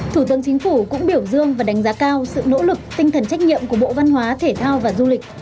thủ tướng chính phủ cũng biểu dương và đánh giá cao sự nỗ lực tinh thần trách nhiệm của bộ văn hóa thể thao và du lịch